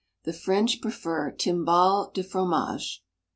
The French pre fer timbales de jromage.